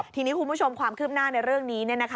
ทีนี้คุณผู้ชมความคืบหน้าในเรื่องนี้